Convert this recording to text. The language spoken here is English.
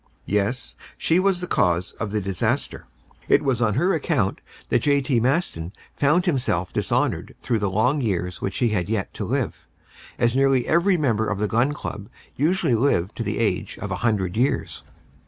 Yes, she was the cause of the disaster. It was on her account that J.T. Maston found himself dishonored through the long years which he bad yet to live, as nearly every member of the Gun Club usually lived to the age of a hundred years.